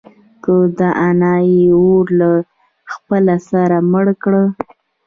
که دانا يې اور له خپله سره مړ کړه.